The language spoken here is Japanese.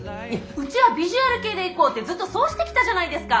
うちはビジュアル系でいこうってずっとそうしてきたじゃないですか！